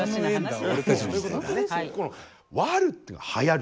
ワルっていうのが流行る。